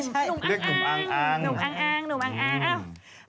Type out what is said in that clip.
เรียกหนุ่มอังอังหนุ่มอังอังหนุ่มอังอัง